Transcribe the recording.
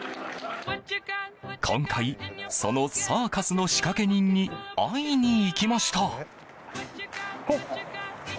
今回、そのサーカスの仕掛け人に会いに行きました。